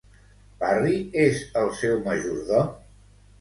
Parry és el seu majordom?